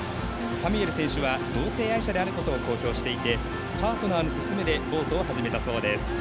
サミュエル選手は同性愛者であることを公表していてパートナーの勧めでボートを始めたそうです。